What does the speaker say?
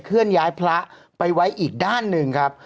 เลื่อนย้ายพระไปไว้อีกด้านหนึ่งครับ